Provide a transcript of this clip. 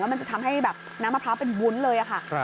มันจะทำให้แบบน้ำมะพร้าวเป็นวุ้นเลยค่ะ